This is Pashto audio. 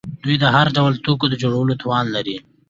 دوی د هر ډول توکو د جوړولو توان لري.